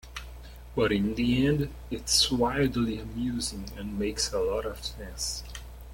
But in the end, it is wildly amusing and makes a lot of sense.